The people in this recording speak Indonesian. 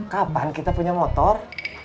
kapan kita punya motor